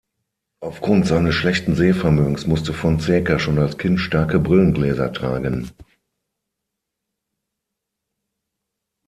Aufgrund seines schlechten Sehvermögens musste Fonseca schon als Kind starke Brillengläser tragen.